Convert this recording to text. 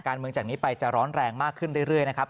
การเมืองจากนี้ไปจะร้อนแรงมากขึ้นเรื่อยนะครับ